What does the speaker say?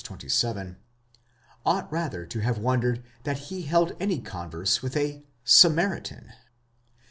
27), ought rather to have wondered that he held any converse with a Samaritan.